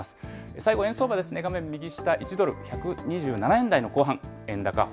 最後、円相場、画面右下、１ドル１２７円台の後半。